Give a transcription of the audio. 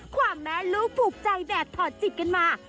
ความแม่รู้ภูมิใจแบบพอดิจกันมา